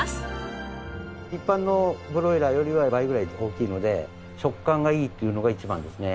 一般のブロイラーよりは倍ぐらい大きいので食感が良いっていうのが一番ですね。